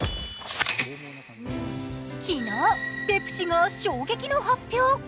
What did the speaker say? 昨日、ペプシが衝撃の発表。